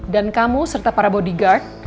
dan kamu serta para bodyguard